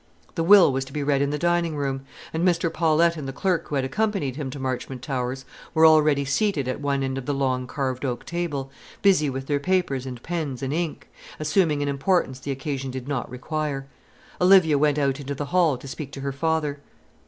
The will was to be read in the dining room; and Mr. Paulette and the clerk who had accompanied him to Marchmont Towers were already seated at one end of the long carved oak table, busy with their papers and pens and ink, assuming an importance the occasion did not require. Olivia went out into the hall to speak to her father.